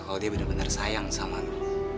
kalau dia bener bener sayang sama lu